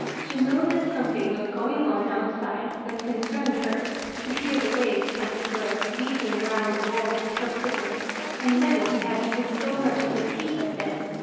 To know that something was going on outside that con cerned her, to hear the waves, as it were, beat ing round the walls of her prison, and never to have even so much as a peep at them